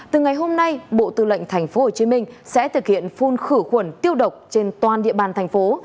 từ ngày hôm nay bộ tư lệnh tp hcm sẽ thực hiện phun khử khuẩn tiêu độc trên toàn địa bàn thành phố